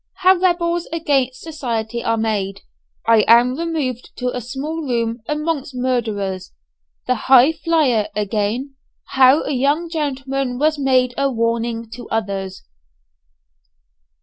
HOW REBELS AGAINST SOCIETY ARE MADE I AM REMOVED TO A SMALL ROOM AMONGST MURDERERS THE "HIGHFLYER" AGAIN HOW A YOUNG GENTLEMAN WAS MADE A WARNING TO OTHERS.